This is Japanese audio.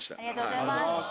ありがとうございます。